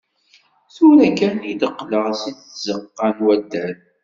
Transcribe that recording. Tura kan i d-qqleɣ seg tzeqqa n waddal.